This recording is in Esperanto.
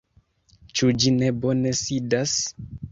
Ĉu ĝi ne bone sidas?